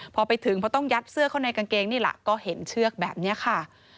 พอไปถึงเพราะต้องยัดเสื้อเข้าในกางเกงนี่แหละก็เห็นเชือกแบบนี้ค่ะ